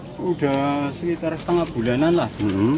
sudah sekitar setengah bulanan lah dulu